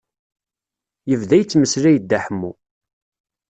Yebda yettmeslay Dda Ḥemmu.